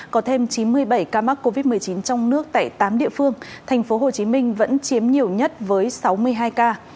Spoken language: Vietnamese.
có thêm chín mươi bảy ca mắc covid một mươi chín trong nước tại tám địa phương thành phố hồ chí minh vẫn chiếm nhiều nhất với sáu mươi hai ca